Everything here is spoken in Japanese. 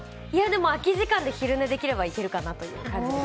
空き時間で昼寝できれば、いけるかなという感じです。